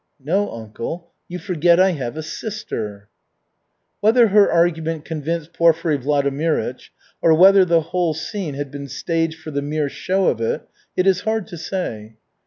"No, uncle, you forget I have a sister." Whether her argument convinced Porfiry Vladimirych or whether the whole scene had been staged for the mere show of it, it is hard to say.